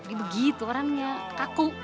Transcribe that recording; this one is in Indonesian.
dia begitu orangnya kaku